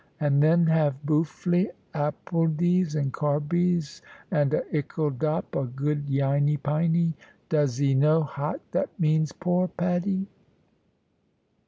And then have boofely appledies, and carbies, and a ickle dop of good yiney piney. Does 'e know 'hot that means, poor Patty?"